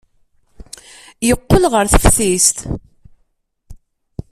Yeqqel ɣer teftist.